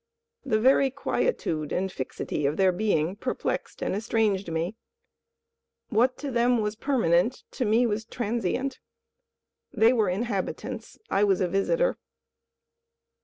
The very quietude and fixity of their being perplexed and estranged me. What to them was permanent, to me was transient. They were inhabitants: I was a visitor.